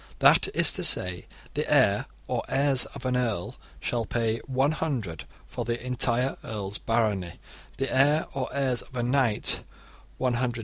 That is to say, the heir or heirs of an earl shall pay 100 for the entire earl's barony, the heir or heirs of a knight 100s.